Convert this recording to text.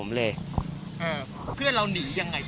ไม่